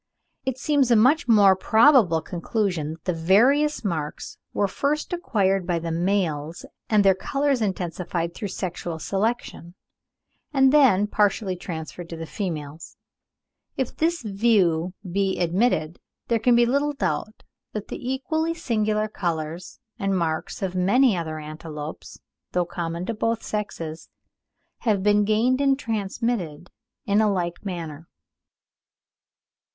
It seems a much more probable conclusion that the various marks were first acquired by the males and their colours intensified through sexual selection, and then partially transferred to the females. If this view be admitted, there can be little doubt that the equally singular colours and marks of many other antelopes, though common to both sexes, have been gained and transmitted in a like manner.